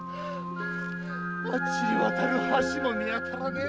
〔あっちに渡る橋も見当たらねえ！〕